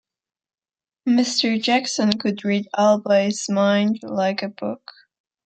Mr. Jackson could read Albie's mind like a book.